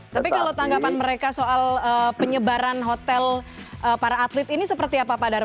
tapi kalau tanggapan mereka soal penyebaran hotel para atlet ini seperti apa pak dar